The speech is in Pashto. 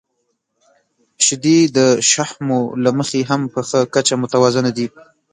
• شیدې د شحمو له مخې هم په ښه کچه متوازنه دي.